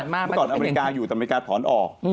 เมื่อก่อนอเมริกาอยู่แต่อเมริกาถอนออก